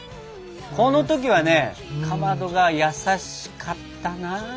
この時はねかまどが優しかったなあ！